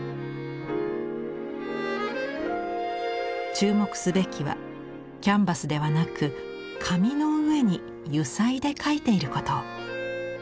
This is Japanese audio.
注目すべきはキャンバスではなく紙の上に油彩で描いていること。